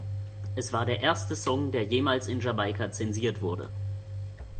Es war der erste Song, der jemals in Jamaika zensiert wurde.